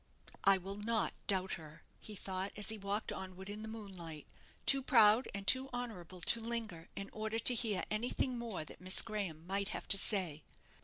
"I will not doubt her," he thought, as he walked onward in the moonlight, too proud and too honourable to linger in order to hear anything more that Miss Graham might have to say.